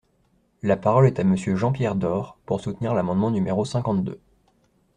La parole est à Monsieur Jean-Pierre Door, pour soutenir l’amendement numéro cinquante-deux.